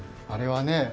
あれはね